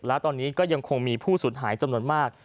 และตอนนี้ก็ยังคงมีผู้สูญหายจำนวนมาก